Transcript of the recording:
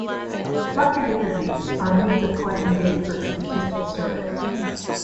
Structured interviews are a means of collecting data for a statistical survey.